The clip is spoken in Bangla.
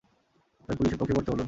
তবে পুলিশের পক্ষে করতে বলুন।